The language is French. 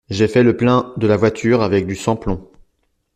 J’ai fait le plein de la voiture avec du sans-plomb.